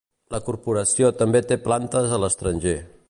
La corporació també té plantes a l'estranger.